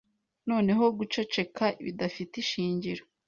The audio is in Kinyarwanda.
Noneho Guceceka bidafite ishingiro